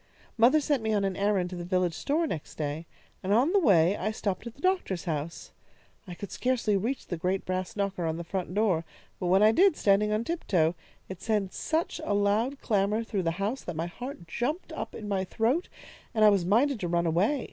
"Mother sent me on an errand to the village store next day, and on the way I stopped at the doctor's house. I could scarcely reach the great brass knocker on the front door, but when I did, standing on tiptoe, it sent such a loud clamour through the house that my heart jumped up in my throat, and I was minded to run away.